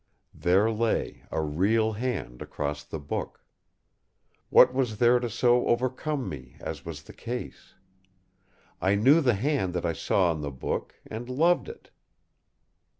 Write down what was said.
There lay a real hand across the book! What was there to so overcome me, as was the case? I knew the hand that I saw on the book—and loved it.